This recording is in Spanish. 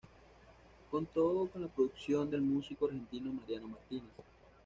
Contó con la producción del músico argentino Mariano Martínez.